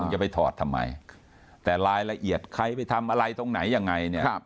จะไปถอดทำไมแต่รายละเอียดใครไปทำอะไรตรงไหนยังไงเนี่ย